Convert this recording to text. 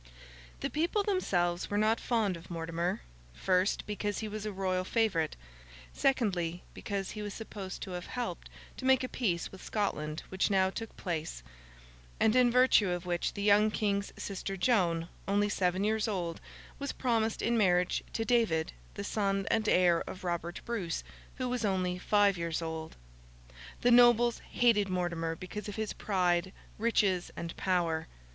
The people themselves were not fond of Mortimer—first, because he was a Royal favourite; secondly, because he was supposed to have helped to make a peace with Scotland which now took place, and in virtue of which the young King's sister Joan, only seven years old, was promised in marriage to David, the son and heir of Robert Bruce, who was only five years old. The nobles hated Mortimer because of his pride, riches, and power.